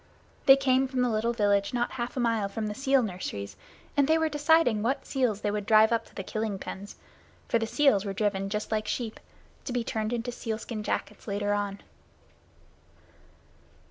They came from the little village not half a mile from the sea nurseries, and they were deciding what seals they would drive up to the killing pens for the seals were driven just like sheep to be turned into seal skin jackets later on.